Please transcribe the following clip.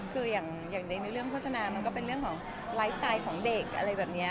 คืออย่างในเรื่องโฆษณามันก็เป็นเรื่องของไลฟ์สไตล์ของเด็กอะไรแบบนี้